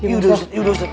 yaudah ustadz yaudah ustadz